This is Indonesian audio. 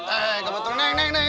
eh gak betul neng neng neng